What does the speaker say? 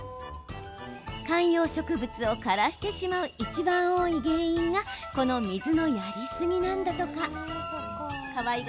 観葉植物を枯らしてしまういちばん多い原因がこの水のやりすぎなんだとか。